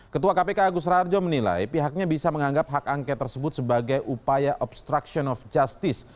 ketua kpk agus rarjo menilai pihaknya bisa menganggap hak angket tersebut sebagai upaya obstruction of justice